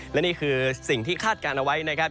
และนี่คือสิ่งที่คาดการณ์เอาไว้นะครับ